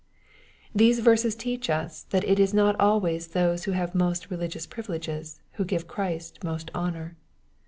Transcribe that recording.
These verses teach us, that it is not always those who lave most religious privileges ^ who give Christ most honor.